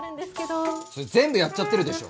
それ全部やっちゃってるでしょ。